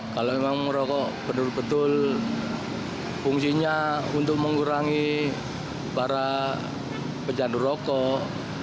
kalau memang merokok benar benar fungsinya untuk mengurangi para pencandu rokok